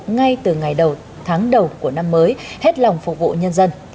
ngay từ ngày đầu tháng đầu của năm mới hết lòng phục vụ nhân dân